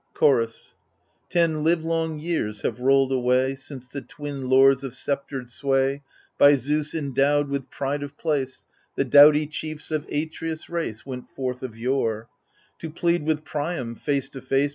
AGAMEMNON 5 Chorus Ten livelong years have rolled away, Since the twin lords of sceptred sway, By Zeus endowed with pride of place, The doughty chiefs of Atreus' race, Went forth of yore, To plead with Priam, face to face.